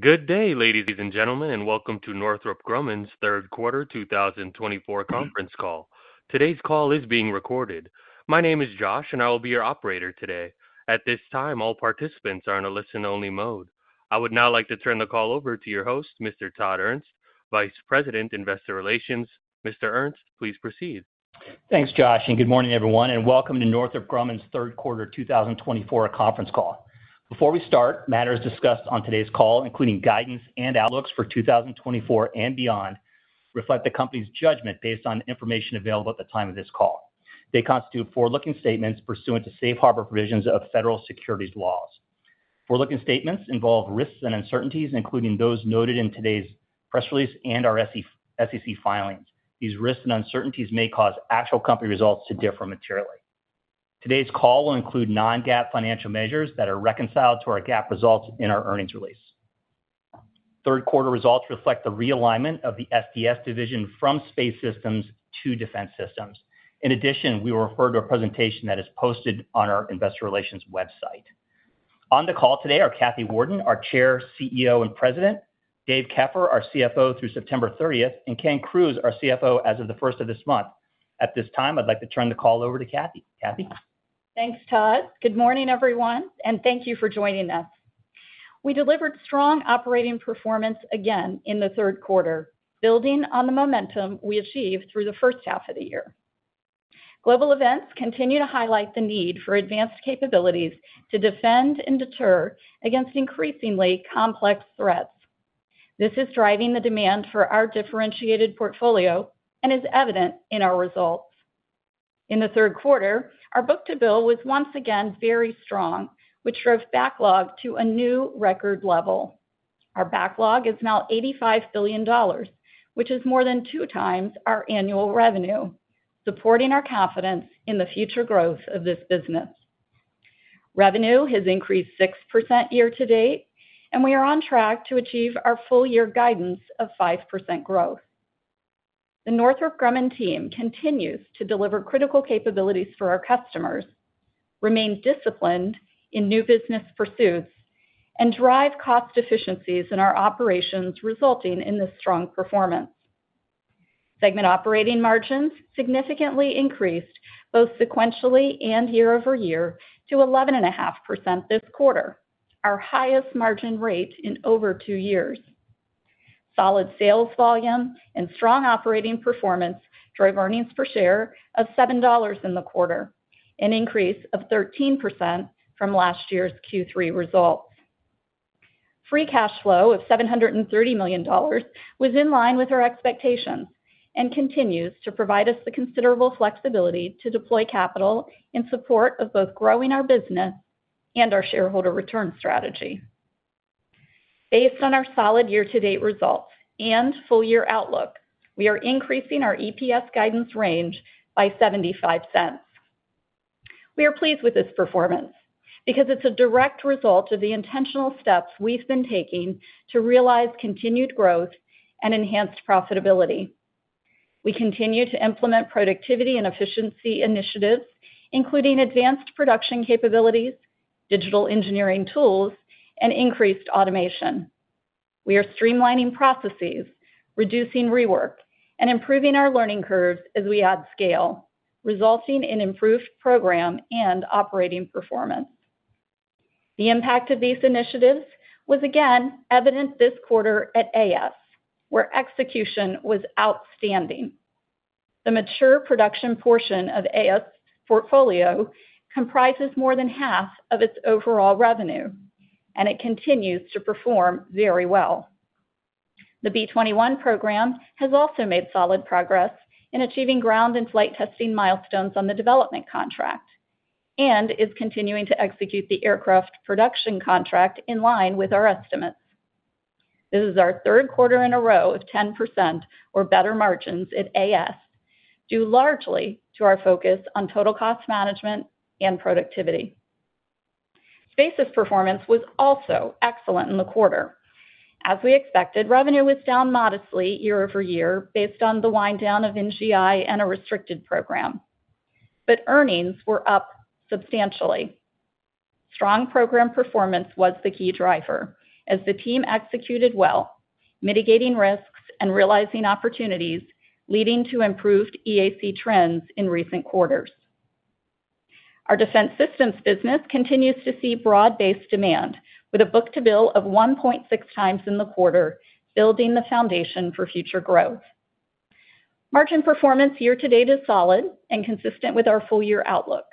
Good day, ladies and gentlemen, and welcome to Northrop Grumman's third quarter two thousand and twenty-four conference call. Today's call is being recorded. My name is Josh, and I will be your operator today. At this time, all participants are in a listen-only mode. I would now like to turn the call over to your host, Mr. Todd Ernst, Vice President, Investor Relations. Mr. Ernst, please proceed. Thanks, Josh, and good morning, everyone, and welcome to Northrop Grumman's third quarter two thousand and twenty-four conference call. Before we start, matters discussed on today's call, including guidance and outlooks for two thousand and twenty-four and beyond, reflect the company's judgment based on information available at the time of this call. They constitute forward-looking statements pursuant to safe harbor provisions of federal securities laws. Forward-looking statements involve risks and uncertainties, including those noted in today's press release and our SEC filings. These risks and uncertainties may cause actual company results to differ materially. Today's call will include non-GAAP financial measures that are reconciled to our GAAP results in our earnings release. Third quarter results reflect the realignment of the SDS division from space systems to defense systems. In addition, we will refer to a presentation that is posted on our investor relations website. On the call today are Kathy Warden, our Chair, CEO, and President, Dave Keffer, our CFO through September thirtieth, and Ken Crews, our CFO as of the first of this month. At this time, I'd like to turn the call over to Kathy. Kathy? Thanks, Todd. Good morning, everyone, and thank you for joining us. We delivered strong operating performance again in the third quarter, building on the momentum we achieved through the first half of the year. Global events continue to highlight the need for advanced capabilities to defend and deter against increasingly complex threats. This is driving the demand for our differentiated portfolio and is evident in our results. In the third quarter, our book-to-bill was once again very strong, which drove backlog to a new record level. Our backlog is now $85 billion, which is more than two times our annual revenue, supporting our confidence in the future growth of this business. Revenue has increased 6% year-to-date, and we are on track to achieve our full-year guidance of 5% growth. The Northrop Grumman team continues to deliver critical capabilities for our customers, remain disciplined in new business pursuits, and drive cost efficiencies in our operations, resulting in this strong performance. Segment operating margins significantly increased, both sequentially and year-over-year, to 11.5% this quarter, our highest margin rate in over two years. Solid sales volume and strong operating performance drove earnings per share of $7 in the quarter, an increase of 13% from last year's Q3 results. Free cash flow of $730 million was in line with our expectations and continues to provide us the considerable flexibility to deploy capital in support of both growing our business and our shareholder return strategy. Based on our solid year-to-date results and full-year outlook, we are increasing our EPS guidance range by $0.75. We are pleased with this performance because it's a direct result of the intentional steps we've been taking to realize continued growth and enhanced profitability. We continue to implement productivity and efficiency initiatives, including advanced production capabilities, digital engineering tools, and increased automation. We are streamlining processes, reducing rework, and improving our learning curves as we add scale, resulting in improved program and operating performance. The impact of these initiatives was again evident this quarter at AS, where execution was outstanding. The mature production portion of AS portfolio comprises more than half of its overall revenue, and it continues to perform very well. The B-21 program has also made solid progress in achieving ground and flight testing milestones on the development contract and is continuing to execute the aircraft production contract in line with our estimates. This is our third quarter in a row of 10% or better margins at AS, due largely to our focus on total cost management and productivity. Space's performance was also excellent in the quarter. As we expected, revenue was down modestly year-over-year based on the wind down of NGI and a restricted program, but earnings were up substantially. Strong program performance was the key driver as the team executed well, mitigating risks and realizing opportunities, leading to improved EAC trends in recent quarters. Our defense systems business continues to see broad-based demand with a book-to-bill of 1.6 times in the quarter, building the foundation for future growth. Margin performance year-to-date is solid and consistent with our full-year outlook.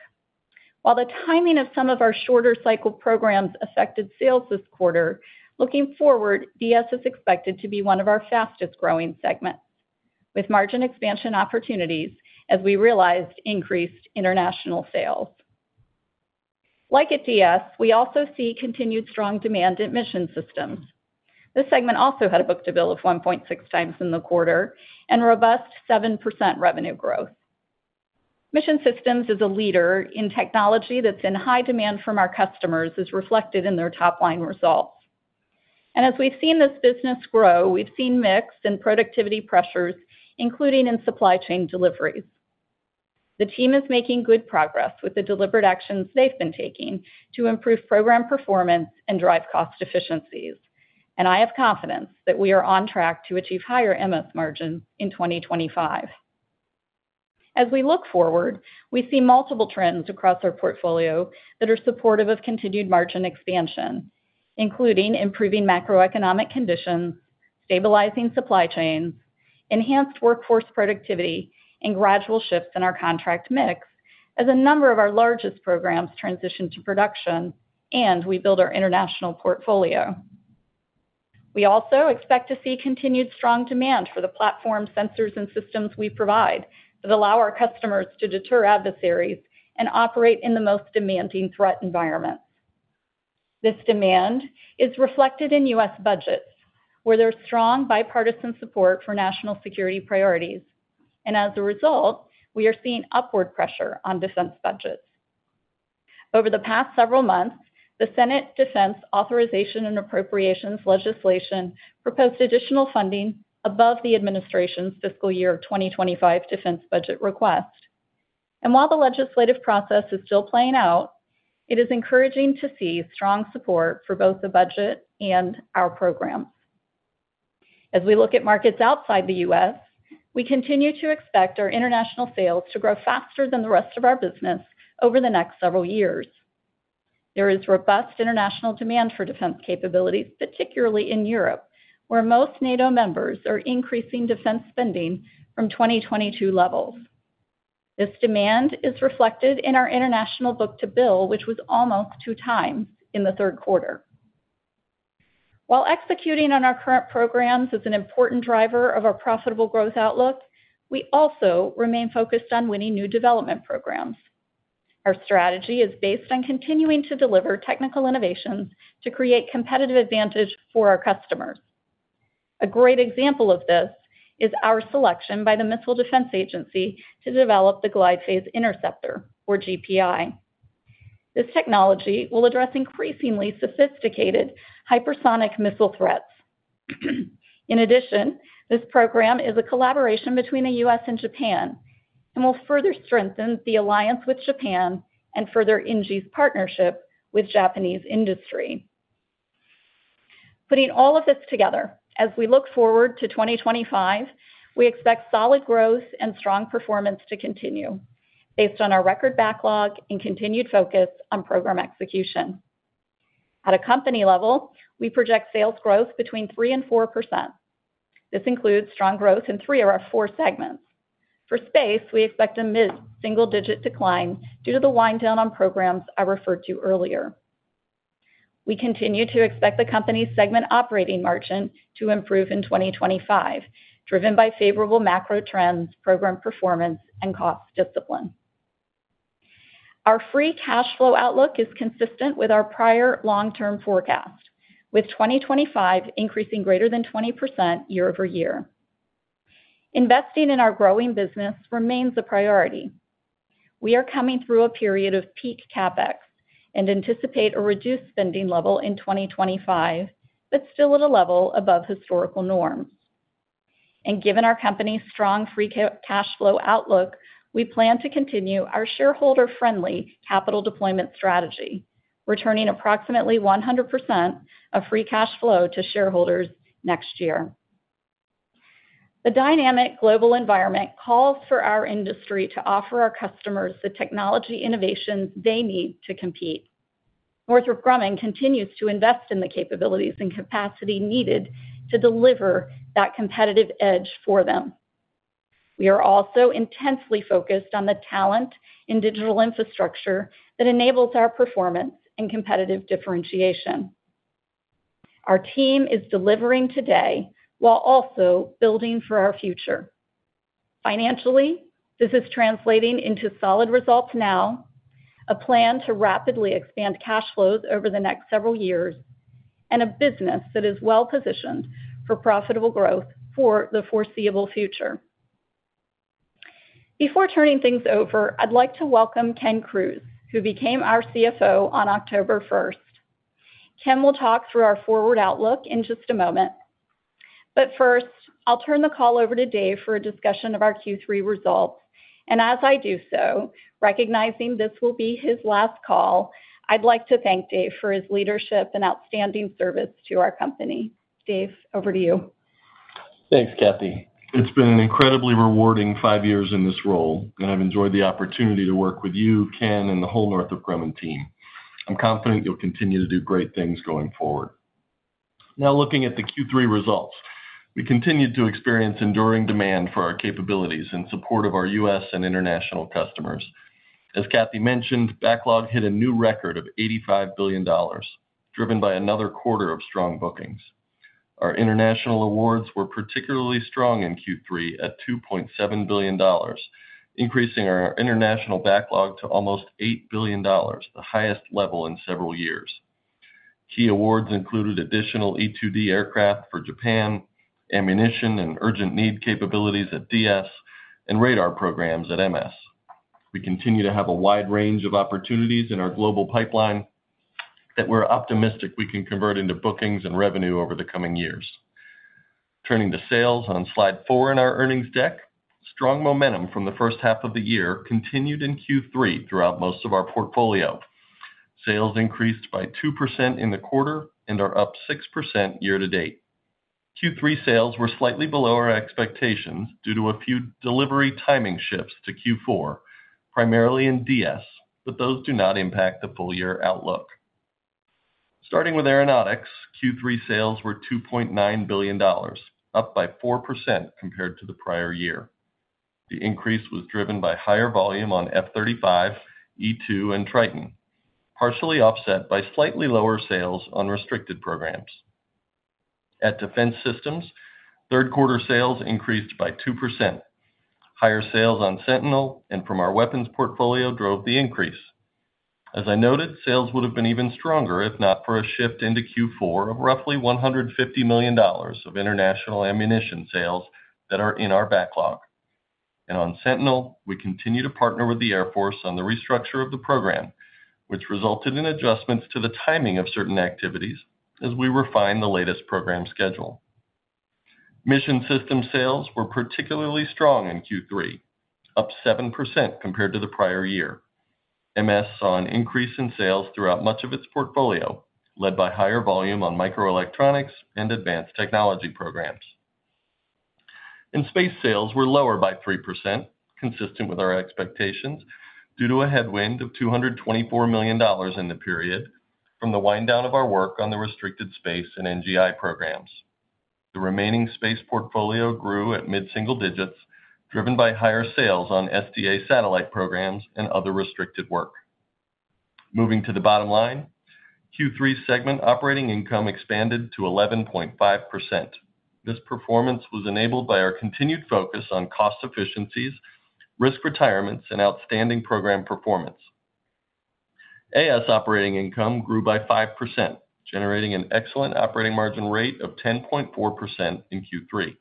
While the timing of some of our shorter cycle programs affected sales this quarter, looking forward, DS is expected to be one of our fastest-growing segments, with margin expansion opportunities as we realized increased international sales. Like at DS, we also see continued strong demand at Mission Systems. This segment also had a book-to-bill of one point six times in the quarter and robust 7% revenue growth. Mission Systems is a leader in technology that's in high demand from our customers, as reflected in their top-line results. And as we've seen this business grow, we've seen mix and productivity pressures, including in supply chain deliveries. The team is making good progress with the deliberate actions they've been taking to improve program performance and drive cost efficiencies, and I have confidence that we are on track to achieve higher MS margin in twenty twenty-five. As we look forward, we see multiple trends across our portfolio that are supportive of continued margin expansion, including improving macroeconomic conditions, stabilizing supply chains, enhanced workforce productivity, and gradual shifts in our contract mix as a number of our largest programs transition to production and we build our international portfolio. We also expect to see continued strong demand for the platform, sensors, and systems we provide that allow our customers to deter adversaries and operate in the most demanding threat environments. This demand is reflected in U.S. budgets, where there's strong bipartisan support for national security priorities, and as a result, we are seeing upward pressure on defense budgets. Over the past several months, the Senate Defense authorization and appropriations legislation proposed additional funding above the administration's fiscal year 2025 defense budget request. And while the legislative process is still playing out, it is encouraging to see strong support for both the budget and our programs. As we look at markets outside the U.S., we continue to expect our international sales to grow faster than the rest of our business over the next several years. There is robust international demand for defense capabilities, particularly in Europe, where most NATO members are increasing defense spending from 2022 levels. This demand is reflected in our international book-to-bill, which was almost two times in the third quarter. While executing on our current programs is an important driver of our profitable growth outlook, we also remain focused on winning new development programs. Our strategy is based on continuing to deliver technical innovations to create competitive advantage for our customers. A great example of this is our selection by the Missile Defense Agency to develop the Glide Phase Interceptor, or GPI. This technology will address increasingly sophisticated hypersonic missile threats. In addition, this program is a collaboration between the U.S. and Japan, and will further strengthen the alliance with Japan and further NG's partnership with Japanese industry. Putting all of this together, as we look forward to twenty twenty-five, we expect solid growth and strong performance to continue based on our record backlog and continued focus on program execution. At a company level, we project sales growth between 3% and 4%. This includes strong growth in three of our four segments. For space, we expect a mid-single-digit decline due to the wind down on programs I referred to earlier. We continue to expect the company's segment operating margin to improve in twenty twenty-five, driven by favorable macro trends, program performance, and cost discipline. Our free cash flow outlook is consistent with our prior long-term forecast, with twenty twenty-five increasing greater than 20% year over year. Investing in our growing business remains a priority. We are coming through a period of peak CapEx and anticipate a reduced spending level in twenty twenty-five, but still at a level above historical norms. And given our company's strong free cash flow outlook, we plan to continue our shareholder-friendly capital deployment strategy, returning approximately 100% of free cash flow to shareholders next year. The dynamic global environment calls for our industry to offer our customers the technology innovations they need to compete. Northrop Grumman continues to invest in the capabilities and capacity needed to deliver that competitive edge for them. We are also intensely focused on the talent and digital infrastructure that enables our performance and competitive differentiation. Our team is delivering today while also building for our future. Financially, this is translating into solid results now, a plan to rapidly expand cash flows over the next several years, and a business that is well-positioned for profitable growth for the foreseeable future. Before turning things over, I'd like to welcome Ken Crews, who became our CFO on October first. Ken will talk through our forward outlook in just a moment. But first, I'll turn the call over to Dave for a discussion of our Q3 results. And as I do so, recognizing this will be his last call, I'd like to thank Dave for his leadership and outstanding service to our company. Dave, over to you. Thanks, Kathy. It's been an incredibly rewarding five years in this role, and I've enjoyed the opportunity to work with you, Ken, and the whole Northrop Grumman team. I'm confident you'll continue to do great things going forward. Now, looking at the Q3 results, we continued to experience enduring demand for our capabilities in support of our U.S. and international customers. As Kathy mentioned, backlog hit a new record of $85 billion, driven by another quarter of strong bookings. Our international awards were particularly strong in Q3 at $2.7 billion, increasing our international backlog to almost $8 billion, the highest level in several years. Key awards included additional E-2D aircraft for Japan, ammunition and urgent need capabilities at DS, and radar programs at MS. We continue to have a wide range of opportunities in our global pipeline that we're optimistic we can convert into bookings and revenue over the coming years. Turning to sales on Slide four in our earnings deck. Strong momentum from the first half of the year continued in Q3 throughout most of our portfolio. Sales increased by 2% in the quarter and are up 6% year-to-date. Q3 sales were slightly below our expectations due to a few delivery timing shifts to Q4, primarily in DS, but those do not impact the full-year outlook. Starting with Aeronautics, Q3 sales were $2.9 billion, up by 4% compared to the prior year. The increase was driven by higher volume on F-35, E-2, and Triton, partially offset by slightly lower sales on restricted programs. At Defense Systems, third quarter sales increased by 2%. Higher sales on Sentinel and from our weapons portfolio drove the increase. As I noted, sales would have been even stronger if not for a shift into Q4 of roughly $150 million of international ammunition sales that are in our backlog. And on Sentinel, we continue to partner with the Air Force on the restructure of the program, which resulted in adjustments to the timing of certain activities as we refine the latest program schedule. Mission Systems sales were particularly strong in Q3, up 7% compared to the prior year. MS saw an increase in sales throughout much of its portfolio, led by higher volume on microelectronics and advanced technology programs. In Space, sales were lower by 3%, consistent with our expectations, due to a headwind of $224 million in the period from the wind-down of our work on the restricted space and NGI programs. The remaining space portfolio grew at mid-single digits, driven by higher sales on SDA satellite programs and other restricted work. Moving to the bottom line, Q3 segment operating income expanded to 11.5%. This performance was enabled by our continued focus on cost efficiencies, risk retirements, and outstanding program performance. AS operating income grew by 5%, generating an excellent operating margin rate of 10.4% in Q3.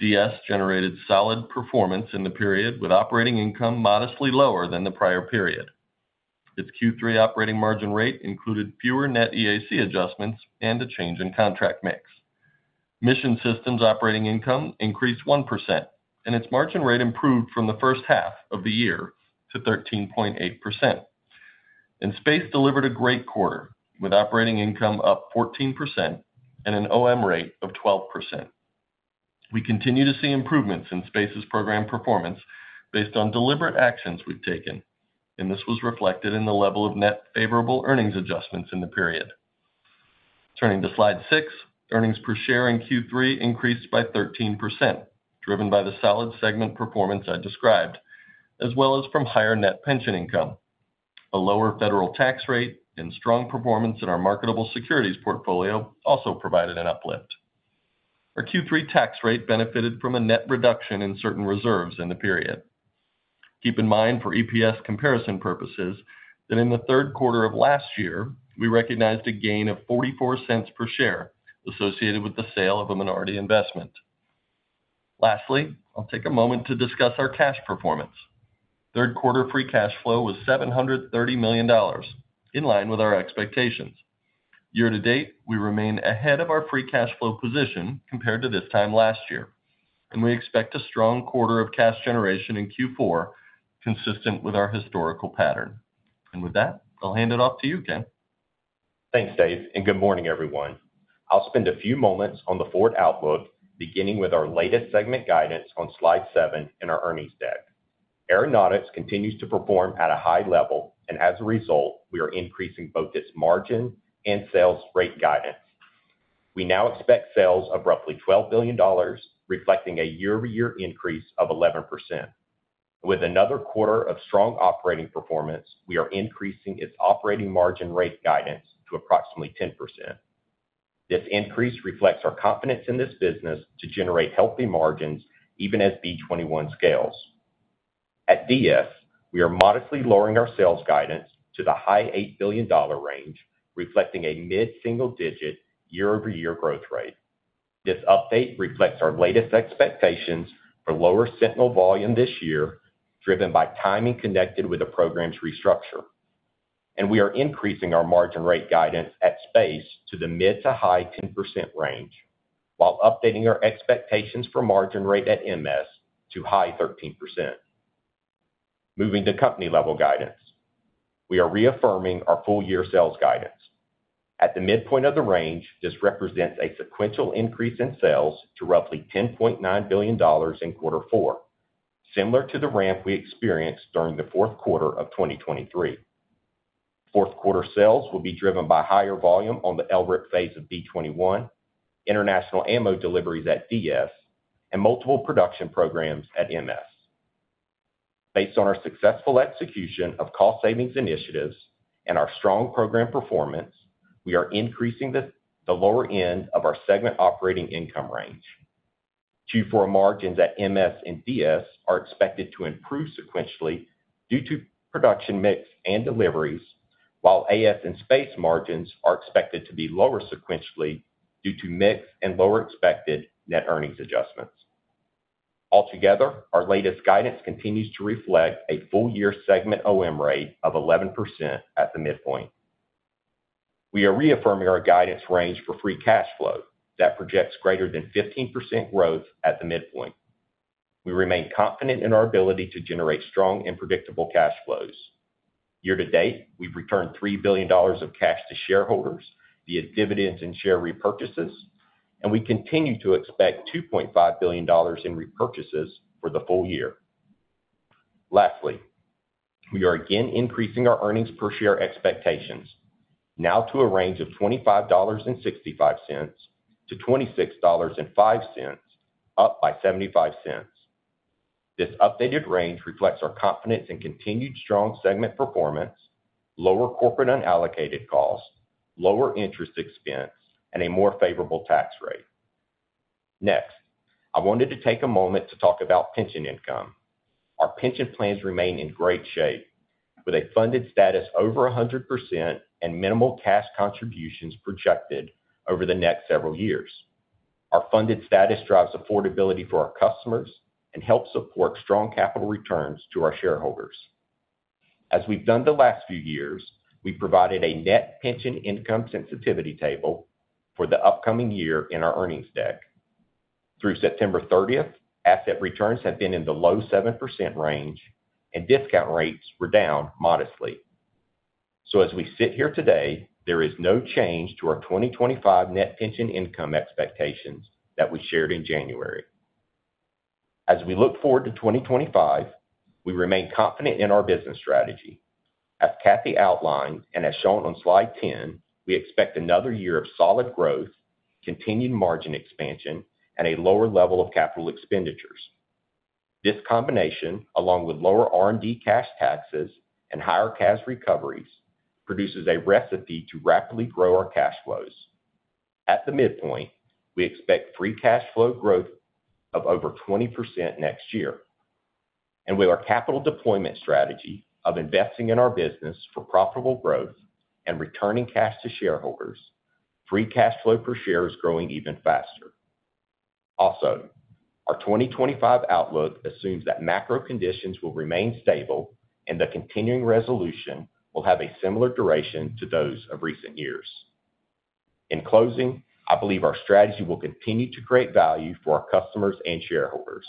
DS generated solid performance in the period, with operating income modestly lower than the prior period. Its Q3 operating margin rate included fewer net EAC adjustments and a change in contract mix. Mission Systems operating income increased 1%, and its margin rate improved from the first half of the year to 13.8%. Space delivered a great quarter, with operating income up 14% and an OM rate of 12%. We continue to see improvements in Space's program performance based on deliberate actions we've taken, and this was reflected in the level of net favorable earnings adjustments in the period. Turning to Slide six, earnings per share in Q3 increased by 13%, driven by the solid segment performance I described, as well as from higher net pension income. A lower federal tax rate and strong performance in our marketable securities portfolio also provided an uplift. Our Q3 tax rate benefited from a net reduction in certain reserves in the period. Keep in mind, for EPS comparison purposes, that in the third quarter of last year, we recognized a gain of $0.44 per share associated with the sale of a minority investment. Lastly, I'll take a moment to discuss our cash performance. Third quarter free cash flow was $730 million, in line with our expectations. Year to date, we remain ahead of our free cash flow position compared to this time last year, and we expect a strong quarter of cash generation in Q4, consistent with our historical pattern, and with that, I'll hand it off to you, Ken. Thanks, Dave, and good morning, everyone. I'll spend a few moments on the forward outlook, beginning with our latest segment guidance on Slide 7 in our earnings deck. Aeronautics continues to perform at a high level, and as a result, we are increasing both its margin and sales rate guidance. We now expect sales of roughly $12 billion, reflecting a year-over-year increase of 11%. With another quarter of strong operating performance, we are increasing its operating margin rate guidance to approximately 10%. This increase reflects our confidence in this business to generate healthy margins, even as B-21 scales. At DS, we are modestly lowering our sales guidance to the high $8 billion range, reflecting a mid-single digit year-over-year growth rate. This update reflects our latest expectations for lower Sentinel volume this year, driven by timing connected with the program's restructure. We are increasing our margin rate guidance at Space to the mid- to high-10% range, while updating our expectations for margin rate at MS to high 13%. Moving to company-level guidance. We are reaffirming our full-year sales guidance. At the midpoint of the range, this represents a sequential increase in sales to roughly $10.9 billion in quarter four, similar to the ramp we experienced during the fourth quarter of 2023. Fourth quarter sales will be driven by higher volume on the LRIP phase of B-21, international ammo deliveries at DS, and multiple production programs at MS. Based on our successful execution of cost savings initiatives and our strong program performance, we are increasing the lower end of our segment operating income range. Q4 margins at MS and DS are expected to improve sequentially due to production mix and deliveries, while AS and Space margins are expected to be lower sequentially due to mix and lower expected net earnings adjustments. Altogether, our latest guidance continues to reflect a full-year segment OM rate of 11% at the midpoint. We are reaffirming our guidance range for free cash flow that projects greater than 15% growth at the midpoint. We remain confident in our ability to generate strong and predictable cash flows. Year-to-date, we've returned $3 billion of cash to shareholders via dividends and share repurchases, and we continue to expect $2.5 billion in repurchases for the full year. Lastly, we are again increasing our earnings per share expectations, now to a range of $25.65-$26.05, up by $0.75. This updated range reflects our confidence in continued strong segment performance, lower corporate unallocated costs, lower interest expense, and a more favorable tax rate. Next, I wanted to take a moment to talk about pension income. Our pension plans remain in great shape, with a funded status over 100% and minimal cash contributions projected over the next several years. Our funded status drives affordability for our customers and helps support strong capital returns to our shareholders. As we've done the last few years, we've provided a net pension income sensitivity table for the upcoming year in our earnings deck. Through September thirtieth, asset returns have been in the low 7% range, and discount rates were down modestly. As we sit here today, there is no change to our 2025 net pension income expectations that we shared in January. As we look forward to 2025, we remain confident in our business strategy. As Kathy outlined, and as shown on slide 10, we expect another year of solid growth, continued margin expansion, and a lower level of capital expenditures. This combination, along with lower R&D cash taxes and higher cash recoveries, produces a recipe to rapidly grow our cash flows. At the midpoint, we expect free cash flow growth of over 20% next year. With our capital deployment strategy of investing in our business for profitable growth and returning cash to shareholders, free cash flow per share is growing even faster. Also, our 2025 outlook assumes that macro conditions will remain stable, and the continuing resolution will have a similar duration to those of recent years. In closing, I believe our strategy will continue to create value for our customers and shareholders,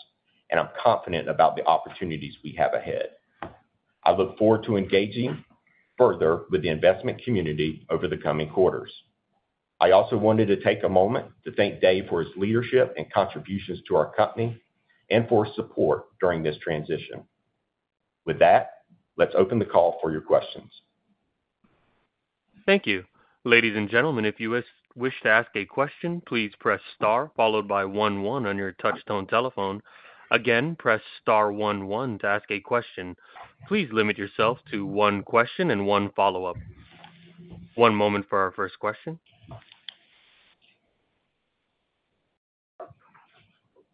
and I'm confident about the opportunities we have ahead. I look forward to engaging further with the investment community over the coming quarters. I also wanted to take a moment to thank Dave for his leadership and contributions to our company and for his support during this transition. With that, let's open the call for your questions. Thank you. Ladies and gentlemen, if you wish to ask a question, please press star, followed by one one on your touchtone telephone. Again, press star one one to ask a question. Please limit yourself to one question and one follow-up. One moment for our first question.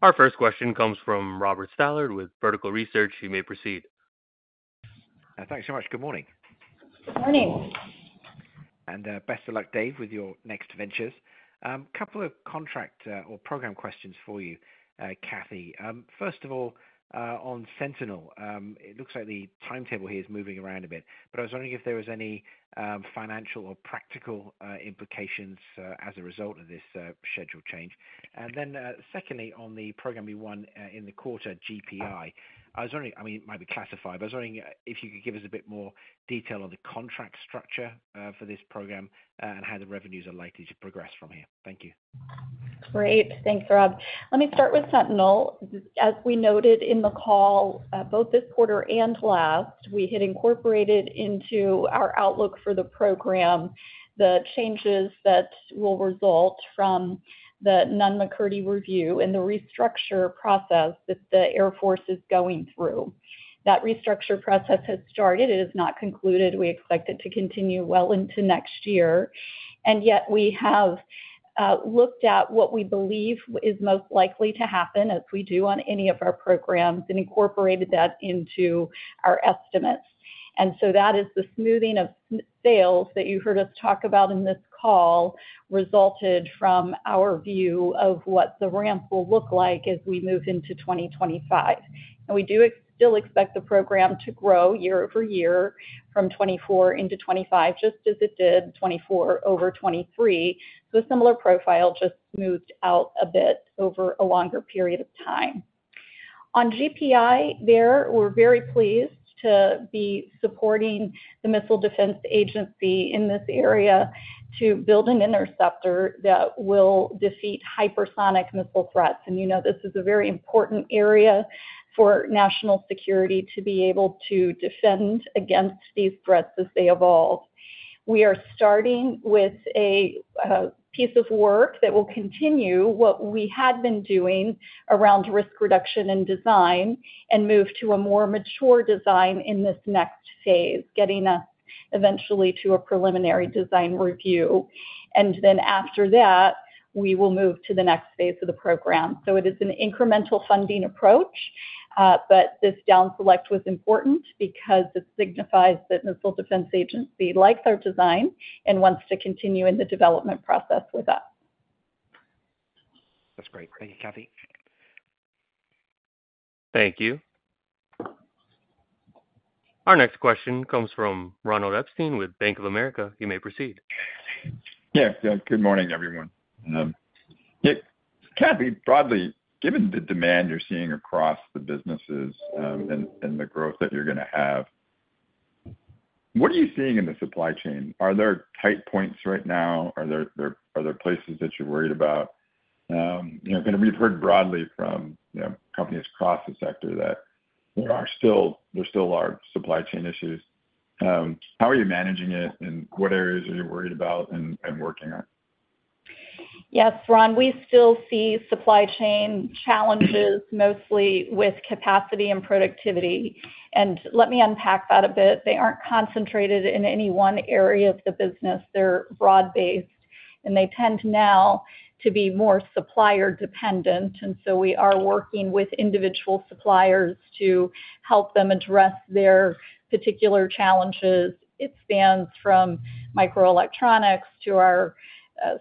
Our first question comes from Robert Stallard with Vertical Research. You may proceed. Thanks so much. Good morning. Good morning. And, best of luck, Dave, with your next ventures. Couple of contract or program questions for you, Kathy. First of all, on Sentinel, it looks like the timetable here is moving around a bit, but I was wondering if there was any financial or practical implications as a result of this schedule change. And then, secondly, on the program you won in the quarter, GPI, I was wondering-- I mean, it might be classified, but I was wondering if you could give us a bit more detail on the contract structure for this program and how the revenues are likely to progress from here. Thank you. Great. Thanks, Rob. Let me start with Sentinel. As we noted in the call, both this quarter and last, we had incorporated into our outlook for the program the changes that will result from the Nunn-McCurdy review and the restructure process that the Air Force is going through. That restructure process has started. It has not concluded. We expect it to continue well into next year, and yet we have looked at what we believe is most likely to happen, as we do on any of our programs, and incorporated that into our estimates. And so that is the smoothing of sales that you heard us talk about in this call, resulted from our view of what the ramp will look like as we move into twenty twenty-five. And we do still expect the program to grow year over year from 2024 into 2025, just as it did 2024 over 2023. So a similar profile, just smoothed out a bit over a longer period of time. On GPI, there, we're very pleased to be supporting the Missile Defense Agency in this area to build an interceptor that will defeat hypersonic missile threats. And you know, this is a very important area for national security to be able to defend against these threats as they evolve. We are starting with a piece of work that will continue what we had been doing around risk reduction and design and move to a more mature design in this next phase, getting us eventually to a preliminary design review. And then after that, we will move to the next phase of the program. It is an incremental funding approach, but this down select was important because it signifies that Missile Defense Agency likes our design and wants to continue in the development process with us. That's great. Thank you, Kathy. Thank you. Our next question comes from Ronald Epstein with Bank of America. You may proceed. Yeah, good morning, everyone. Yeah, Kathy, broadly, given the demand you're seeing across the businesses, and the growth that you're gonna have, what are you seeing in the supply chain? Are there tight points right now? Are there places that you're worried about? You know, kind of we've heard broadly from companies across the sector that there are still large supply chain issues. How are you managing it, and what areas are you worried about and working on? Yes, Ron, we still see supply chain challenges mostly with capacity and productivity. And let me unpack that a bit. They aren't concentrated in any one area of the business. They're broad-based, and they tend now to be more supplier-dependent, and so we are working with individual suppliers to help them address their particular challenges. It spans from microelectronics to our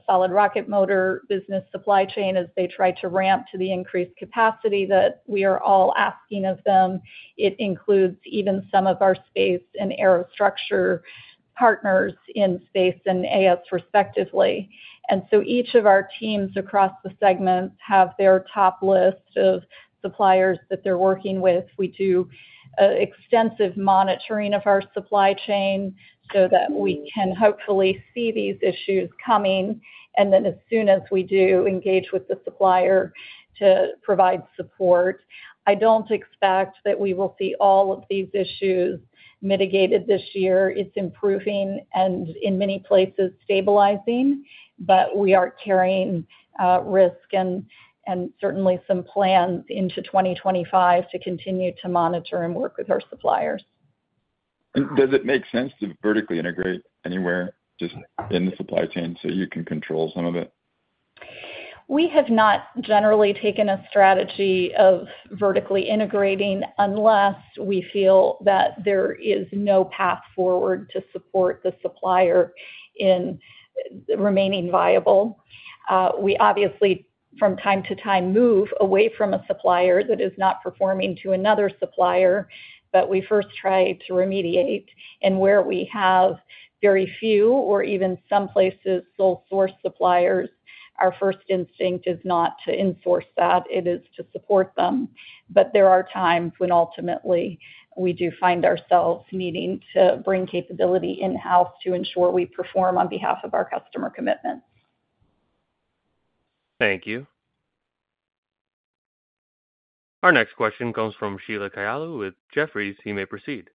solid rocket motor business supply chain as they try to ramp to the increased capacity that we are all asking of them. It includes even some of our space and aerostructure partners in space and AS, respectively. And so each of our teams across the segments have their top list of suppliers that they're working with. We do extensive monitoring of our supply chain so that we can hopefully see these issues coming, and then as soon as we do, engage with the supplier to provide support. I don't expect that we will see all of these issues mitigated this year. It's improving and in many places stabilizing, but we are carrying risk and certainly some plans into 2025 to continue to monitor and work with our suppliers. Does it make sense to vertically integrate anywhere just in the supply chain so you can control some of it? We have not generally taken a strategy of vertically integrating unless we feel that there is no path forward to support the supplier in remaining viable. We obviously, from time to time, move away from a supplier that is not performing to another supplier, but we first try to remediate. And where we have very few or even some places, sole source suppliers, our first instinct is not to enforce that, it is to support them. But there are times when ultimately we do find ourselves needing to bring capability in-house to ensure we perform on behalf of our customer commitments. Thank you. Our next question comes from Sheila Kahyaoglu with Jefferies. You may proceed.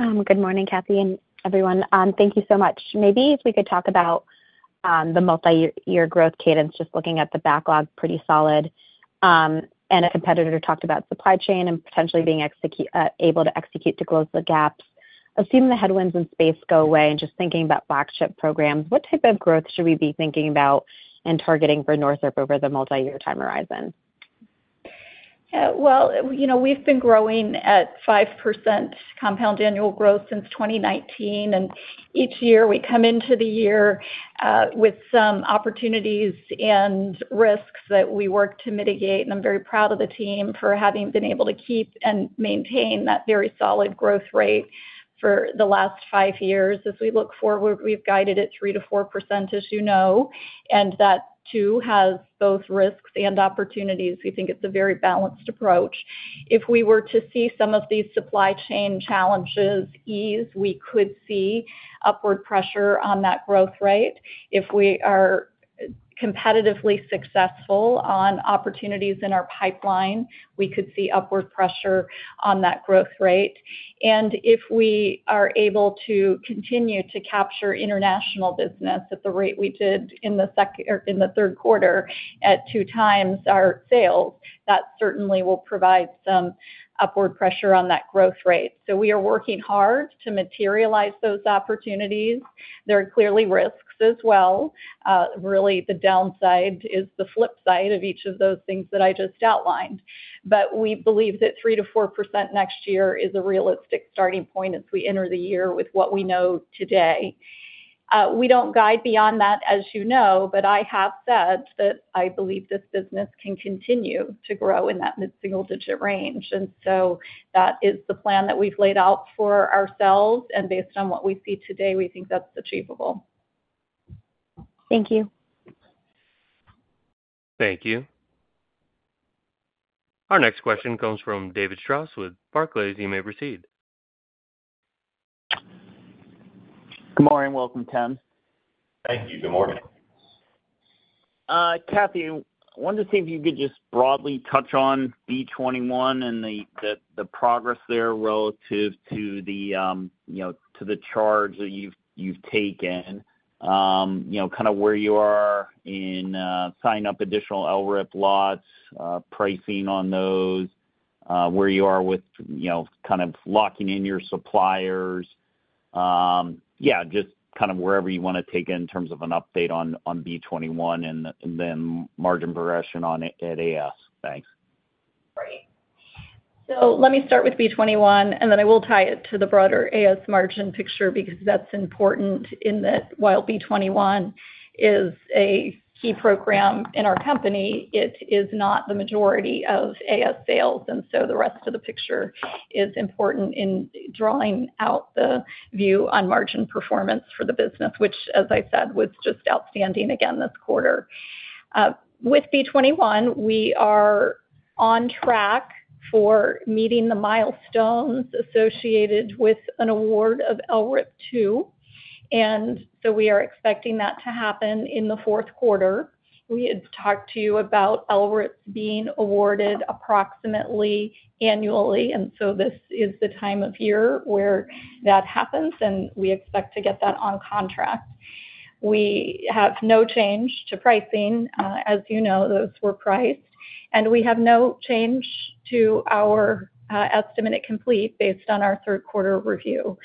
Good morning, Kathy, and everyone. Thank you so much. Maybe if we could talk about the multiyear growth cadence, just looking at the backlog, pretty solid. And a competitor talked about supply chain and potentially being able to execute to close the gaps. Assuming the headwinds in space go away, and just thinking about flagship programs, what type of growth should we be thinking about and targeting for Northrop over the multi-year time horizon? Well, you know, we've been growing at 5% compound annual growth since 2019, and each year we come into the year with some opportunities and risks that we work to mitigate. And I'm very proud of the team for having been able to keep and maintain that very solid growth rate for the last five years. As we look forward, we've guided it 3% to 4%, as you know, and that, too, has both risks and opportunities. We think it's a very balanced approach. If we were to see some of these supply chain challenges ease, we could see upward pressure on that growth rate. If we are competitively successful on opportunities in our pipeline, we could see upward pressure on that growth rate. If we are able to continue to capture international business at the rate we did in the third quarter, at two times our sales, that certainly will provide some upward pressure on that growth rate. So we are working hard to materialize those opportunities. There are clearly risks as well. Really, the downside is the flip side of each of those things that I just outlined. But we believe that 3-4% next year is a realistic starting point as we enter the year with what we know today. We don't guide beyond that, as you know, but I have said that I believe this business can continue to grow in that mid-single-digit range. And so that is the plan that we've laid out for ourselves, and based on what we see today, we think that's achievable. Thank you. Thank you. Our next question comes from David Strauss with Barclays. You may proceed. Good morning. Welcome, Dave. Thank you. Good morning. Kathy, I wanted to see if you could just broadly touch on B-21 and the progress there relative to the, you know, to the charge that you've taken. You know, kind of where you are in signing up additional LRIP lots, pricing on those, where you are with, you know, kind of locking in your suppliers. Yeah, just kind of wherever you wanna take it in terms of an update on B-21 and then margin progression on it at AS. Thanks. So let me start with B-21, and then I will tie it to the broader AS margin picture because that's important in that while B-21 is a key program in our company, it is not the majority of AS sales, and so the rest of the picture is important in drawing out the view on margin performance for the business, which, as I said, was just outstanding again this quarter. With B-21, we are on track for meeting the milestones associated with an award of LRIP two, and so we are expecting that to happen in the fourth quarter. We had talked to you about LRIPs being awarded approximately annually, and so this is the time of year where that happens, and we expect to get that on contract. We have no change to pricing. As you know, those were priced, and we have no change to our estimate at completion based on our third quarter review.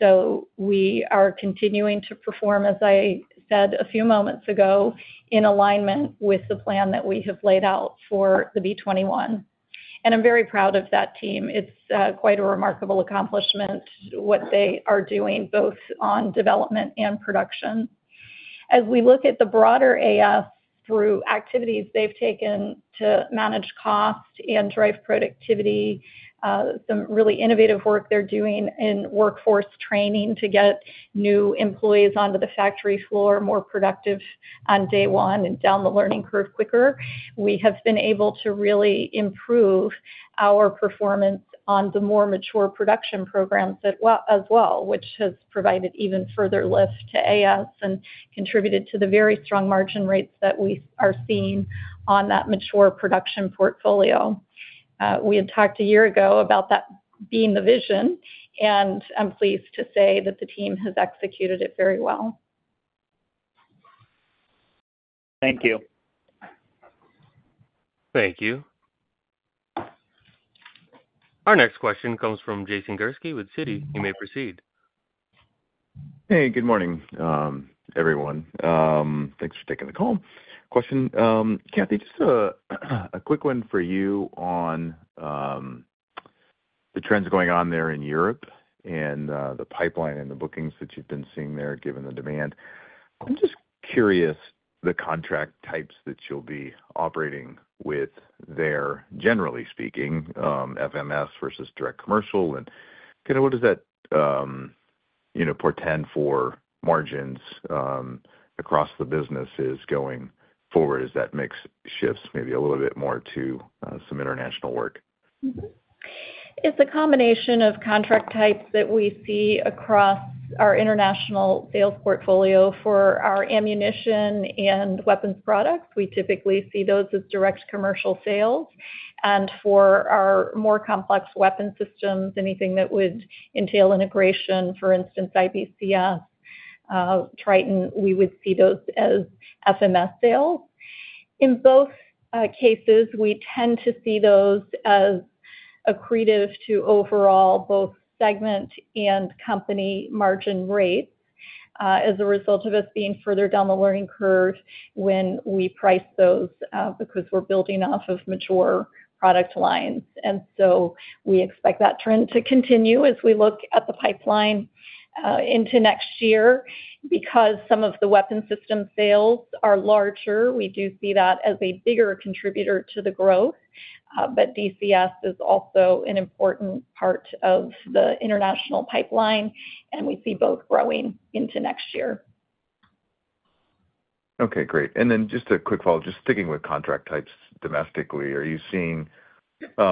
So we are continuing to perform, as I said a few moments ago, in alignment with the plan that we have laid out for the B-21. And I'm very proud of that team. It's quite a remarkable accomplishment, what they are doing, both on development and production. As we look at the broader AS through activities they've taken to manage cost and drive productivity, some really innovative work they're doing in workforce training to get new employees onto the factory floor, more productive on day one and down the learning curve quicker. We have been able to really improve our performance on the more mature production programs that as well, which has provided even further lift to AS and contributed to the very strong margin rates that we are seeing on that mature production portfolio. We had talked a year ago about that being the vision, and I'm pleased to say that the team has executed it very well. Thank you. Thank you. Our next question comes from Jason Gursky with Citi. You may proceed. Hey, good morning, everyone. Thanks for taking the call. Question, Kathy, just a quick one for you on the trends going on there in Europe and the pipeline and the bookings that you've been seeing there, given the demand. I'm just curious, the contract types that you'll be operating with there, generally speaking, FMS versus direct commercial, and kind of what does that, you know, portend for margins across the businesses going forward as that mix shifts maybe a little bit more to some international work? Mm-hmm. It's a combination of contract types that we see across our international sales portfolio. For our ammunition and weapons products, we typically see those as direct commercial sales. And for our more complex weapon systems, anything that would entail integration, for instance, IBCS, Triton, we would see those as FMS sales. In both cases, we tend to see those as accretive to overall both segment and company margin rates, as a result of us being further down the learning curve when we price those, because we're building off of mature product lines. And so we expect that trend to continue as we look at the pipeline, into next year. Because some of the weapon system sales are larger, we do see that as a bigger contributor to the growth, but DCS is also an important part of the international pipeline, and we see both growing into next year. Okay, great. And then just a quick follow-up, just sticking with contract types domestically, are you seeing, I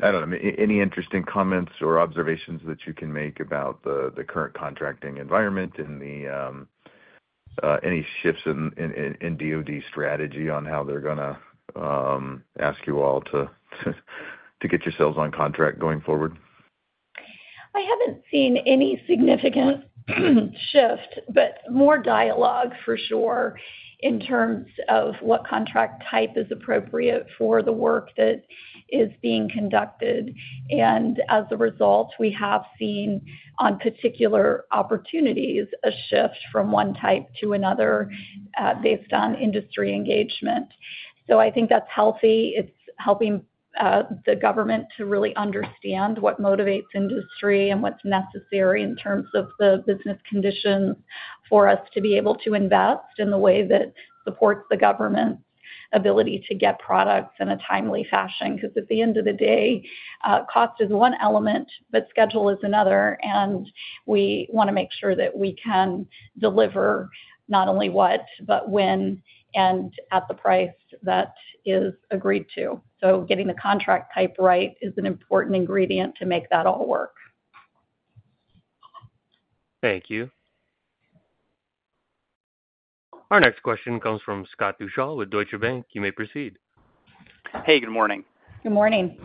don't know, any interesting comments or observations that you can make about the current contracting environment and any shifts in DOD strategy on how they're gonna ask you all to get yourselves on contract going forward? I haven't seen any significant shift, but more dialogue for sure, in terms of what contract type is appropriate for the work that is being conducted. And as a result, we have seen, on particular opportunities, a shift from one type to another, based on industry engagement. So I think that's healthy. It's helping the government to really understand what motivates industry and what's necessary in terms of the business conditions for us to be able to invest in the way that supports the government's ability to get products in a timely fashion. Because at the end of the day, cost is one element, but schedule is another, and we wanna make sure that we can deliver not only what, but when and at the price that is agreed to. So getting the contract type right is an important ingredient to make that all work. Thank you. Our next question comes from Scott Deuschle with Deutsche Bank. You may proceed. Hey, good morning. Good morning.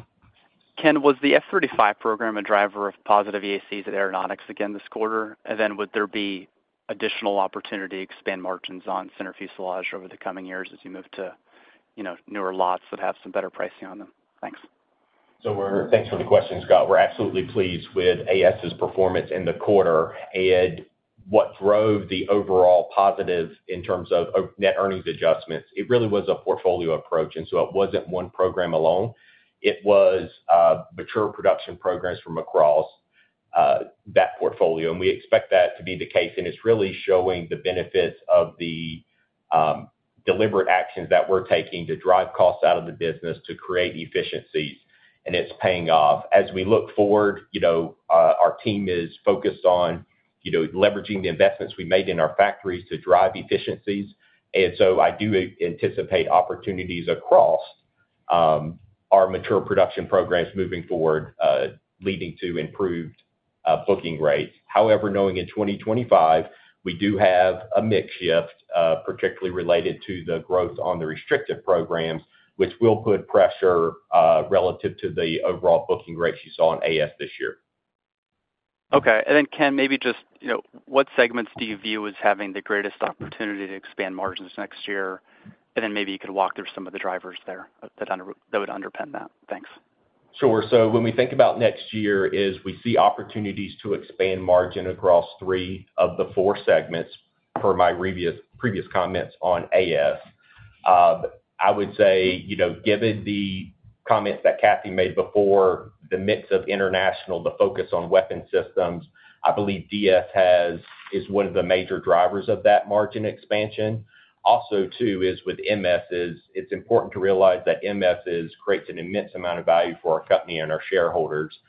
Ken, was the F-35 program a driver of positive EACs at Aeronautics again this quarter? And then would there be additional opportunity to expand margins on center fuselage over the coming years as you move to, you know, newer lots that have some better pricing on them? Thanks. Thanks for the question, Scott. We're absolutely pleased with AS's performance in the quarter, and what drove the overall positive in terms of of net earnings adjustments, it really was a portfolio approach, and so it wasn't one program alone. It was mature production programs from across that portfolio, and we expect that to be the case, and it's really showing the benefits of the deliberate actions that we're taking to drive costs out of the business to create efficiencies, and it's paying off. As we look forward, you know, our team is focused on, you know, leveraging the investments we made in our factories to drive efficiencies, and so I do anticipate opportunities across our mature production programs moving forward, leading to improved booking rates. However, going into twenty twenty-five, we do have a mix shift, particularly related to the growth on the restricted programs, which will put pressure relative to the overall booking rates you saw in AS this year. Okay. And then, Ken, maybe just, you know, what segments do you view as having the greatest opportunity to expand margins next year? And then maybe you could walk through some of the drivers there, that would underpin that. Thanks. Sure. So when we think about next year, is we see opportunities to expand margin across three of the four segments, per my previous, previous comments on AS. I would say, you know, given the comments that Kathy made before, the mix of international, the focus on weapon systems, I believe DS has, is one of the major drivers of that margin expansion. Also, too, is with MSes, it's important to realize that MSes creates an immense amount of value for our company and our shareholders.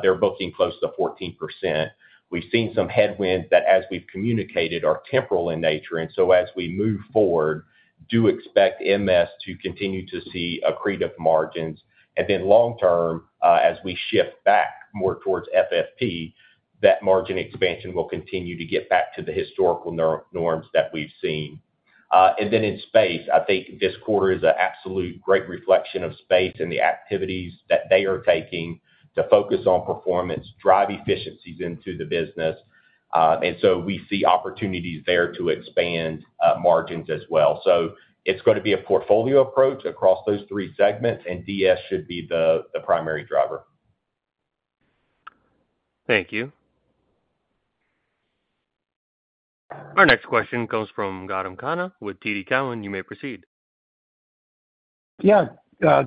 They're booking close to 14%. We've seen some headwinds that, as we've communicated, are temporal in nature, and so as we move forward, do expect MS to continue to see accretive margins. And then long term, as we shift back more towards FFP, that margin expansion will continue to get back to the historical norms that we've seen. And then in space, I think this quarter is an absolute great reflection of space and the activities that they are taking to focus on performance, drive efficiencies into the business. And so we see opportunities there to expand margins as well. So it's gonna be a portfolio approach across those three segments, and DS should be the primary driver. Thank you. Our next question comes from Gautam Khanna with TD Cowen. You may proceed. Yeah.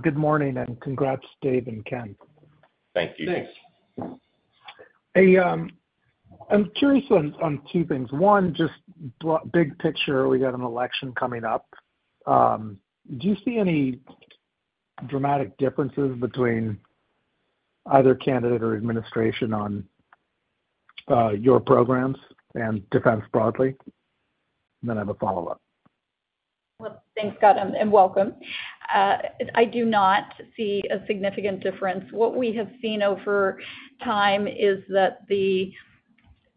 Good morning, and congrats, Dave and Ken. Thank you. Thanks. I'm curious on two things. One, just big picture, we got an election coming up. Do you see any dramatic differences between either candidate or administration on your programs and defense broadly? And then I have a follow-up. Thanks, Gautam, and welcome. I do not see a significant difference. What we have seen over time is that the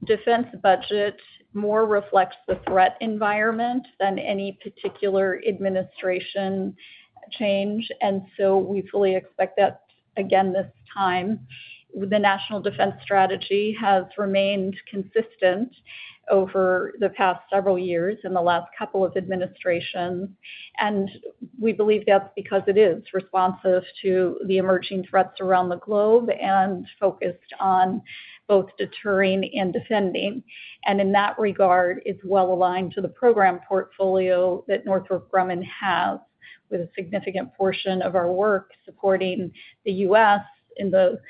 defense budget more reflects the threat environment than any particular administration change, and so we fully expect that again, this time. The National Defense Strategy has remained consistent over the past several years in the last couple of administrations, and we believe that's because it is responsive to the emerging threats around the globe and focused on both deterring and defending. And in that regard, it's well aligned to the program portfolio that Northrop Grumman has, with a significant portion of our work supporting the U.S. in the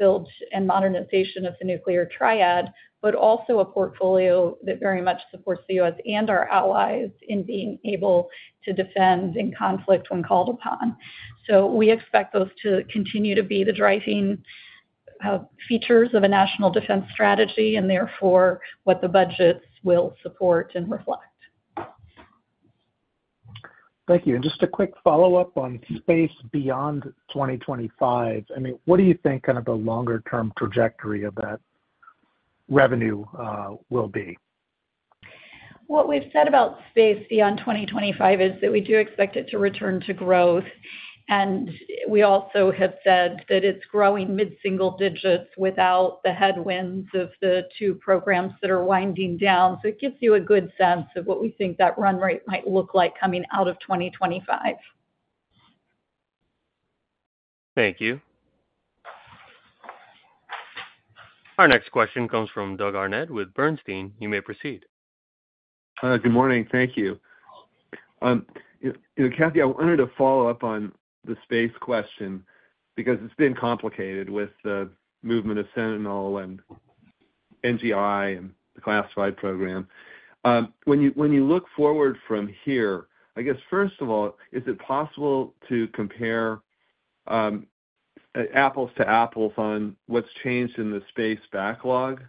build and modernization of the nuclear triad, but also a portfolio that very much supports the U.S. and our allies in being able to defend in conflict when called upon. So we expect those to continue to be the driving features of a national defense strategy, and therefore, what the budgets will support and reflect. Thank you. And just a quick follow-up on space beyond 2025. I mean, what do you think kind of the longer-term trajectory of that revenue will be? What we've said about space beyond 2025 is that we do expect it to return to growth, and we also have said that it's growing mid-single digits without the headwinds of the two programs that are winding down. So it gives you a good sense of what we think that run rate might look like coming out of 2025. Thank you. Our next question comes from Doug Harned with Bernstein. You may proceed. Good morning. Thank you. You know, Kathy, I wanted to follow up on the space question because it's been complicated with the movement of Sentinel and NGI and the classified program. When you, when you look forward from here, I guess, first of all, is it possible to compare, apples to apples on what's changed in the space backlog,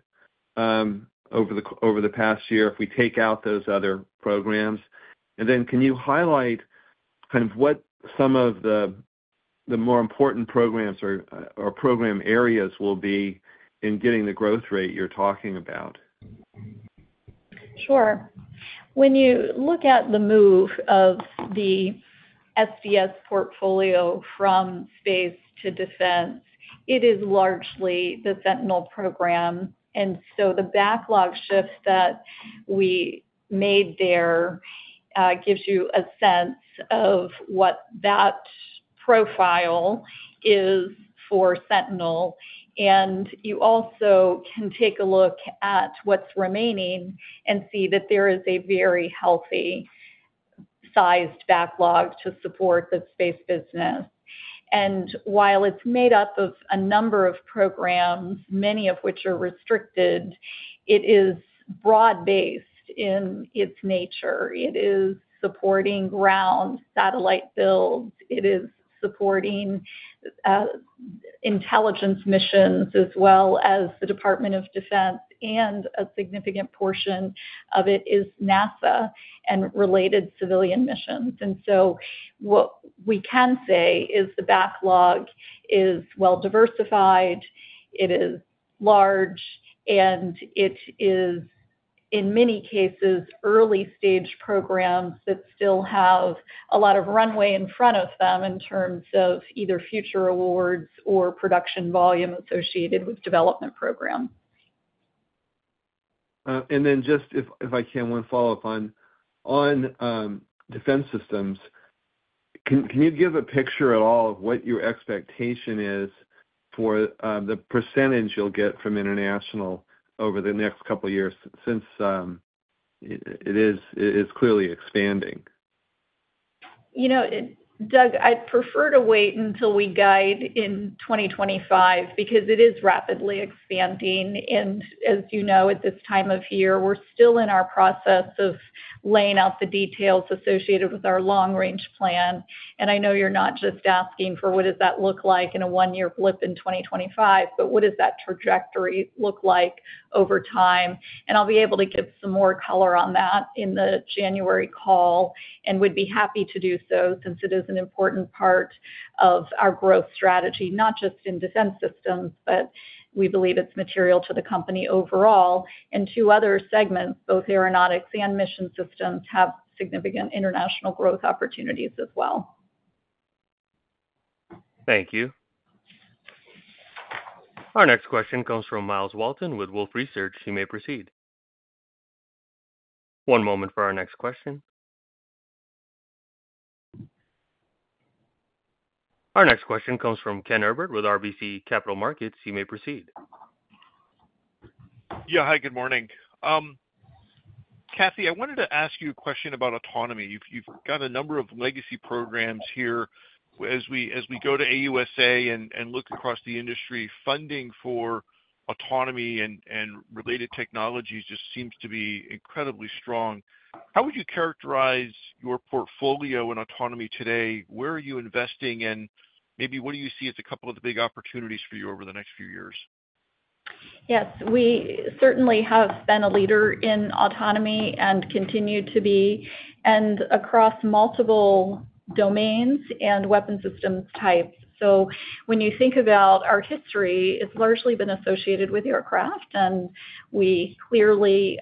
over the past year if we take out those other programs? And then, can you highlight kind of what some of the, the more important programs or, or program areas will be in getting the growth rate you're talking about? Sure. When you look at the move of the SDS portfolio from space to defense, it is largely the Sentinel program, and so the backlog shift that we made there gives you a sense of what that profile is for Sentinel, and you also can take a look at what's remaining and see that there is a very healthy sized backlog to support the space business, and while it's made up of a number of programs, many of which are restricted, it is broad-based in its nature. It is supporting ground satellite builds. It is supporting intelligence missions, as well as the Department of Defense, and a significant portion of it is NASA and related civilian missions. And so what we can say is the backlog is well diversified, it is large, and it is, in many cases, early-stage programs that still have a lot of runway in front of them in terms of either future awards or production volume associated with development program. And then just if I can, one follow-up on defense systems. Can you give a picture at all of what your expectation is for the percentage you'll get from international over the next couple of years since it is clearly expanding? You know, Doug, I'd prefer to wait until we guide in twenty twenty-five because it is rapidly expanding. And as you know, at this time of year, we're still in our process of laying out the details associated with our long-range plan. And I know you're not just asking for what does that look like in a one-year blip in twenty twenty-five, but what does that trajectory look like over time? And I'll be able to give some more color on that in the January call, and would be happy to do so since it is an important part of our growth strategy, not just in Defense Systems, but we believe it's material to the company overall. And two other segments, both Aeronautics Systems and Mission Systems, have significant international growth opportunities as well. Thank you. Our next question comes from Miles Walton with Wolfe Research. You may proceed. One moment for our next question. Our next question comes from Ken Herbert with RBC Capital Markets. You may proceed. Yeah. Hi, good morning. Kathy, I wanted to ask you a question about autonomy. You've got a number of legacy programs here. As we go to AUSA and look across the industry, funding for autonomy and related technologies just seems to be incredibly strong. How would you characterize your portfolio in autonomy today? Where are you investing, and maybe what do you see as a couple of the big opportunities for you over the next few years? Yes, we certainly have been a leader in autonomy and continue to be, and across multiple domains and weapon systems types. So when you think about our history, it's largely been associated with aircraft, and we clearly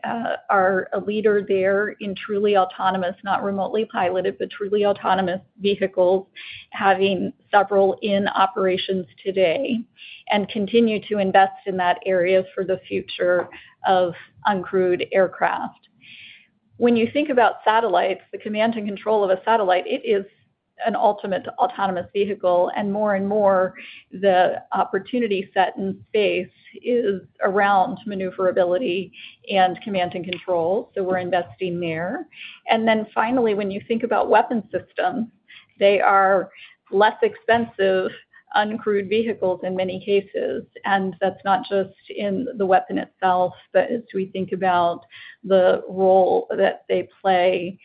are a leader there in truly autonomous, not remotely piloted, but truly autonomous vehicles, having several in operations today, and continue to invest in that area for the future of uncrewed aircraft. When you think about satellites, the command and control of a satellite, it is an ultimate autonomous vehicle, and more and more, the opportunity set in space is around maneuverability and command and control, so we're investing there. And then finally, when you think about weapon systems, they are less expensive uncrewed vehicles in many cases, and that's not just in the weapon itself, but as we think about the role that they play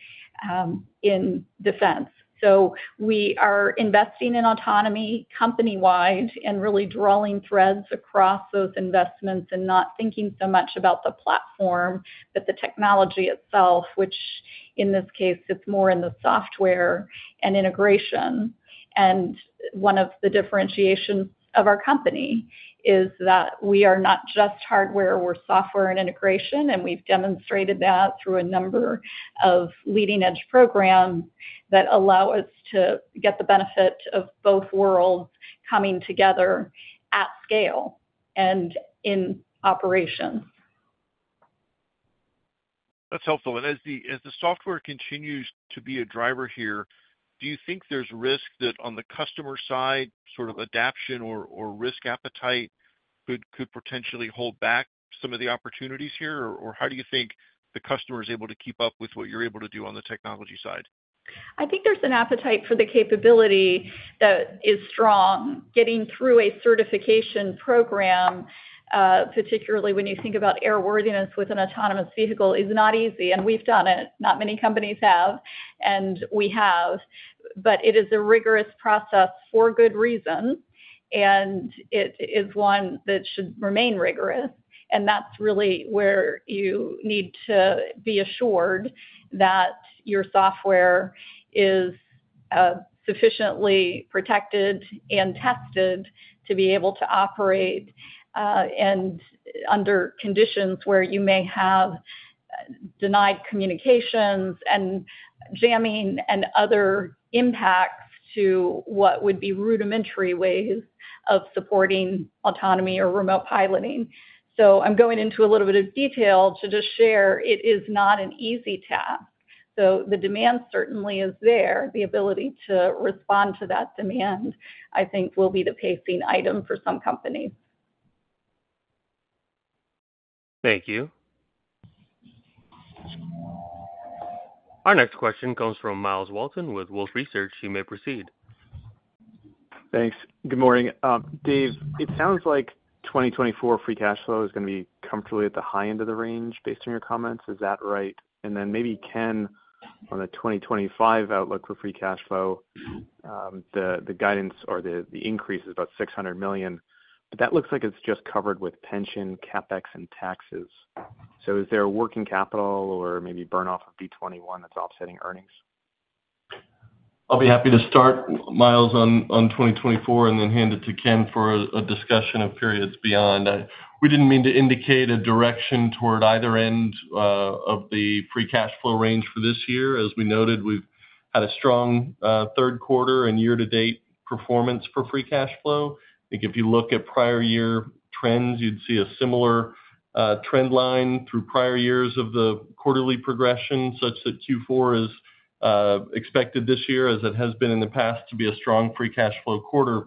in defense. We are investing in autonomy company-wide and really drawing threads across those investments and not thinking so much about the platform, but the technology itself, which in this case, it's more in the software and integration. One of the differentiations of our company is that we are not just hardware, we're software and integration, and we've demonstrated that through a number of leading-edge programs that allow us to get the benefit of both worlds coming together at scale and in operations. That's helpful. As the software continues to be a driver here, do you think there's risk that on the customer side, sort of adoption or risk appetite could potentially hold back some of the opportunities here? Or how do you think the customer is able to keep up with what you're able to do on the technology side? I think there's an appetite for the capability that is strong. Getting through a certification program, particularly when you think about airworthiness with an autonomous vehicle, is not easy, and we've done it. Not many companies have, and we have, but it is a rigorous process for good reason, and it is one that should remain rigorous. That's really where you need to be assured that your software is sufficiently protected and tested to be able to operate and under conditions where you may have denied communications and jamming and other impacts to what would be rudimentary ways of supporting autonomy or remote piloting. I'm going into a little bit of detail to just share it is not an easy task. The demand certainly is there. The ability to respond to that demand, I think, will be the pacing item for some companies. Thank you. Our next question comes from Myles Walton with Wolfe Research. You may proceed. Thanks. Good morning. Dave, it sounds like 2024 free cash flow is gonna be comfortably at the high end of the range based on your comments. Is that right? And then maybe, Ken, on the 2025 outlook for free cash flow, the guidance or the increase is about $600 million, but that looks like it's just covered with pension, CapEx, and taxes. So is there a working capital or maybe burn off of B-21 that's offsetting earnings? I'll be happy to start, Myles, on 2024 and then hand it to Ken for a discussion of periods beyond that. We didn't mean to indicate a direction toward either end of the free cash flow range for this year. As we noted, we've had a strong third quarter and year-to-date performance for free cash flow. I think if you look at prior year trends, you'd see a similar trend line through prior years of the quarterly progression, such that Q4 is expected this year, as it has been in the past, to be a strong free cash flow quarter.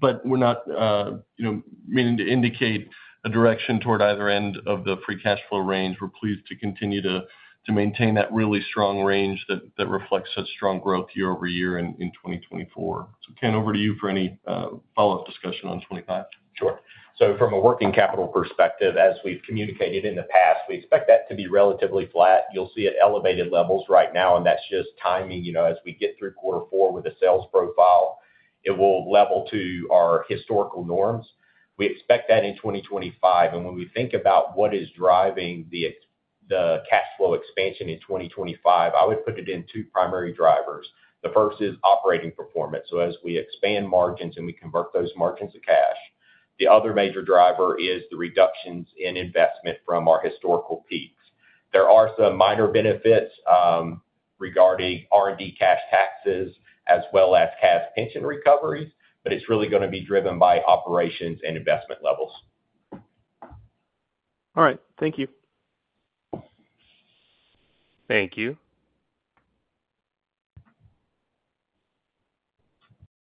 But we're not, you know, meaning to indicate a direction toward either end of the free cash flow range. We're pleased to continue to maintain that really strong range that reflects such strong growth year-over-year in 2024. So, Ken, over to you for any follow-up discussion on 2025. Sure. So from a working capital perspective, as we've communicated in the past, we expect that to be relatively flat. You'll see it at elevated levels right now, and that's just timing. You know, as we get through quarter four with the sales profile, it will level to our historical norms. We expect that in twenty twenty-five, and when we think about what is driving the cash flow expansion in twenty twenty-five, I would put it in two primary drivers. The first is operating performance, so as we expand margins and we convert those margins to cash. The other major driver is the reductions in investment from our historical peaks. There are some minor benefits regarding R&D, cash taxes, as well as cash pension recoveries, but it's really gonna be driven by operations and investment levels. All right. Thank you. Thank you.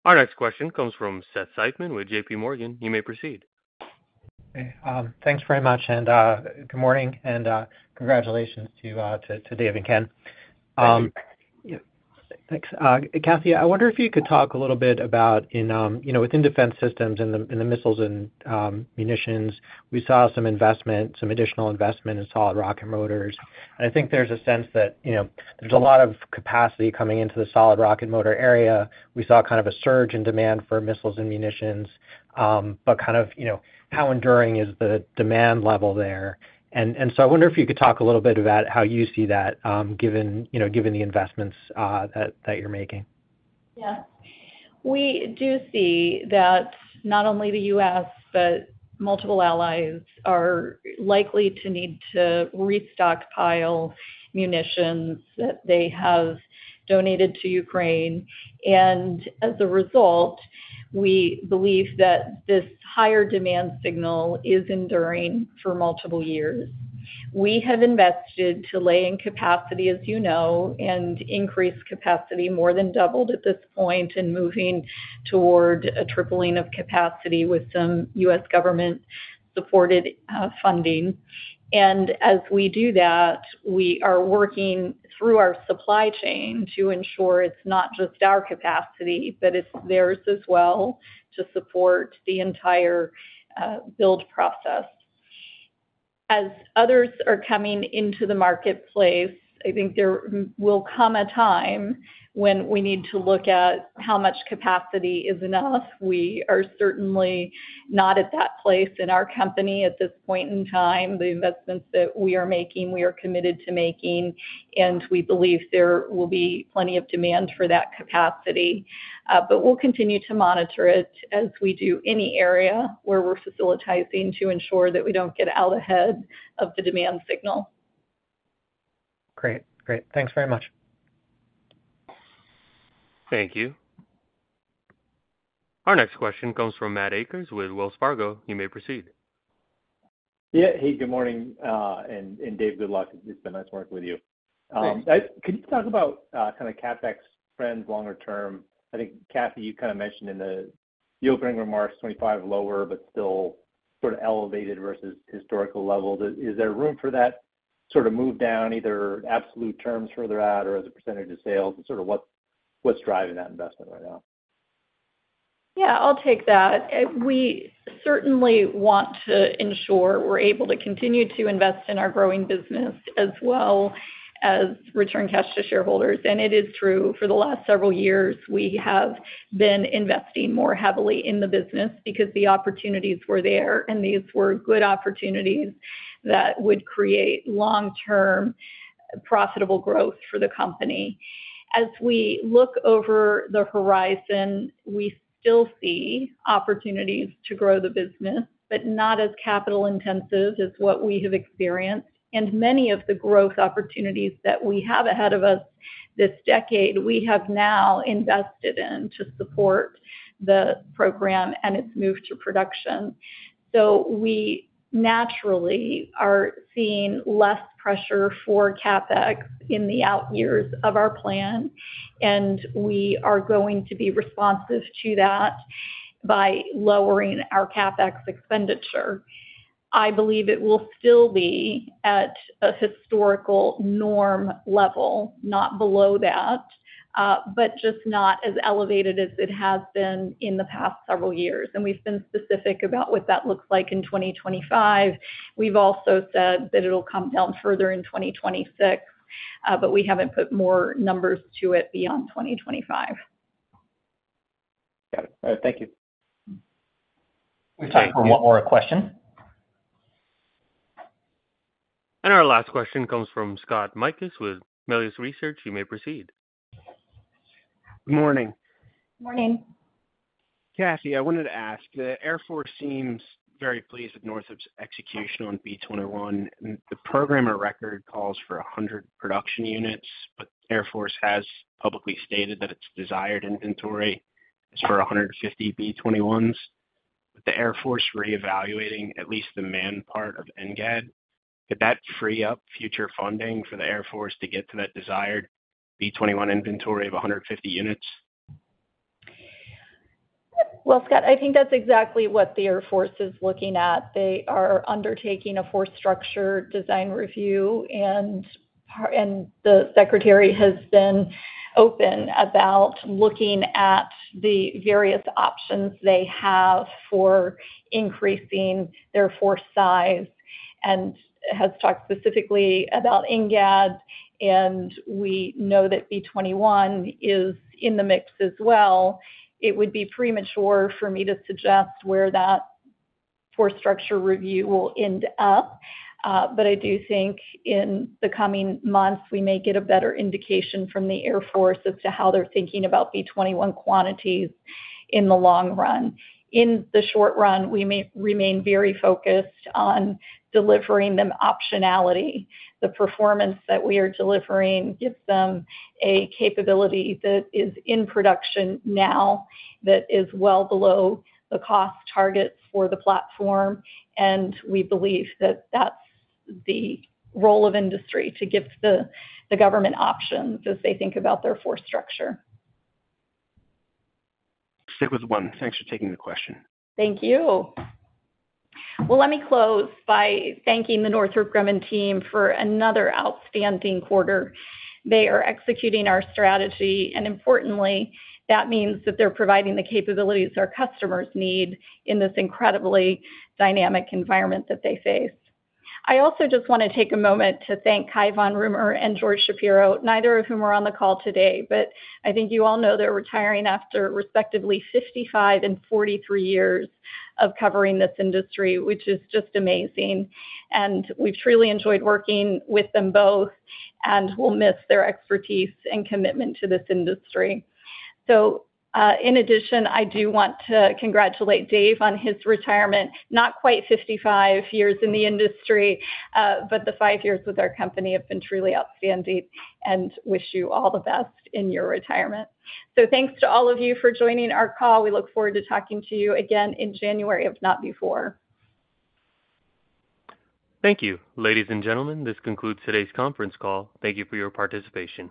Our next question comes from Seth Seifman with JP Morgan. You may proceed. Hey, thanks very much, and good morning, and congratulations to Dave and Ken. Thank you. Yeah. Thanks. Kathy, I wonder if you could talk a little bit about in, you know, within defense systems and the, and the missiles and, munitions, we saw some investment, some additional investment in solid rocket motors. And I think there's a sense that, you know, there's a lot of capacity coming into the solid rocket motor area. We saw kind of a surge in demand for missiles and munitions, but kind of, you know, how enduring is the demand level there? And, and so I wonder if you could talk a little bit about how you see that, given, you know, given the investments, that, that you're making. Yeah. We do see that not only the U.S., but multiple allies are likely to need to restockpile munitions that they have donated to Ukraine. And as a result, we believe that this higher demand signal is enduring for multiple years. We have invested to lay in capacity, as you know, and increase capacity, more than doubled at this point, and moving toward a tripling of capacity with some U.S. government-supported funding. And as we do that, we are working through our supply chain to ensure it's not just our capacity, but it's theirs as well, to support the entire build process. As others are coming into the marketplace, I think there will come a time when we need to look at how much capacity is enough. We are certainly not at that place in our company at this point in time. The investments that we are making, we are committed to making, and we believe there will be plenty of demand for that capacity, but we'll continue to monitor it as we do any area where we're facilitizing to ensure that we don't get out ahead of the demand signal. Great. Great. Thanks very much. Thank you. Our next question comes from Matt Akers with Wells Fargo. You may proceed. Yeah. Hey, good morning. And Dave, good luck. It's been nice working with you. Thanks. Could you talk about kind of CapEx trends longer term? I think, Kathy, you kind of mentioned in the opening remarks, 25 lower, but still sort of elevated versus historical levels. Is there room for that sort of move down, either absolute terms further out or as a percentage of sales, and sort of what's driving that investment right now? Yeah, I'll take that. We certainly want to ensure we're able to continue to invest in our growing business as well as return cash to shareholders. And it is true, for the last several years, we have been investing more heavily in the business because the opportunities were there, and these were good opportunities that would create long-term profitable growth for the company. As we look over the horizon, we still see opportunities to grow the business, but not as capital intensive as what we have experienced. And many of the growth opportunities that we have ahead of us this decade, we have now invested in to support the program and its move to production... So we naturally are seeing less pressure for CapEx in the out years of our plan, and we are going to be responsive to that by lowering our CapEx expenditure. I believe it will still be at a historical norm level, not below that, but just not as elevated as it has been in the past several years, and we've been specific about what that looks like in 2025. We've also said that it'll come down further in 2026, but we haven't put more numbers to it beyond 2025. Got it. All right, thank you. We have time for one more question, and our last question comes from Scott Mikus with Melius Research. You may proceed. Good morning. Morning. Kathy, I wanted to ask, the Air Force seems very pleased with Northrop's execution on B-21. The program of record calls for a hundred production units, but the Air Force has publicly stated that its desired inventory is for a hundred and fifty B-21s. With the Air Force reevaluating at least the man part of NGAD, could that free up future funding for the Air Force to get to that desired B-21 inventory of a hundred and fifty units? Scott, I think that's exactly what the Air Force is looking at. They are undertaking a force structure design review, and the secretary has been open about looking at the various options they have for increasing their force size, and has talked specifically about NGAD, and we know that B-21 is in the mix as well. It would be premature for me to suggest where that force structure review will end up, but I do think in the coming months, we may get a better indication from the Air Force as to how they're thinking about B-21 quantities in the long run. In the short run, we may remain very focused on delivering them optionality. The performance that we are delivering gives them a capability that is in production now, that is well below the cost target for the platform, and we believe that that's the role of industry, to give the government options as they think about their force structure. Stick with one. Thanks for taking the question. Thank you. Well, let me close by thanking the Northrop Grumman team for another outstanding quarter. They are executing our strategy, and importantly, that means that they're providing the capabilities our customers need in this incredibly dynamic environment that they face. I also just wanna take a moment to thank Cai von Rumohr and George Shapiro, neither of whom are on the call today, but I think you all know they're retiring after respectively 55 and 43 years of covering this industry, which is just amazing. We've truly enjoyed working with them both, and we'll miss their expertise and commitment to this industry. In addition, I do want to congratulate Dave on his retirement. Not quite 55 years in the industry, but the five years with our company have been truly outstanding, and wish you all the best in your retirement. So thanks to all of you for joining our call. We look forward to talking to you again in January, if not before. Thank you. Ladies and gentlemen, this concludes today's conference call. Thank you for your participation.